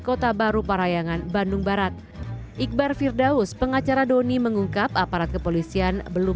kota baru parayangan bandung barat iqbar firdaus pengacara doni mengungkap aparat kepolisian belum